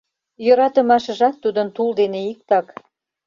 Йӧратымашыжат тудын тул дене иктак.